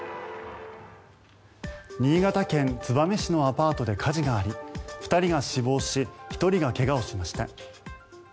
新潟県燕市のアパートで火事があり２人が死亡し１人が怪我をしました。